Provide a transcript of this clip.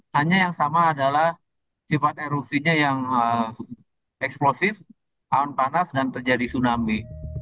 hanya yang sama adalah sifat erupsinya yang eksplosif awan panas dan terjadi tsunami